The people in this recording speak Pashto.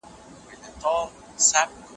زه مېوې خوړلې ده!